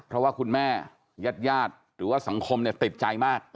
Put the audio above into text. เพราะว่าคุณแม่แยกแย่ตฯหรือว่าสังคมติดใจมาก